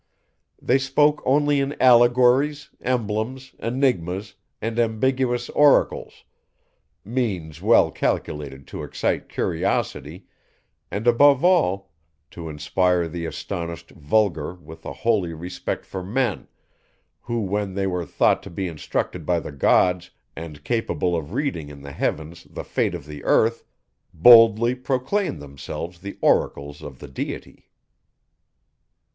They spoke only in allegories, emblems, enigmas, and ambiguous oracles means well calculated to excite curiosity, and above all to inspire the astonished vulgar with a holy respect for men, who when they were thought to be instructed by the gods, and capable of reading in the heavens the fate of the earth, boldly proclaimed themselves the oracles of the Deity.